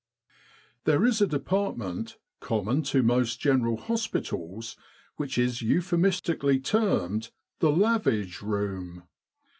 4 ' There is a department common to most General Hospitals which is euphemistically termed the Lavage Room.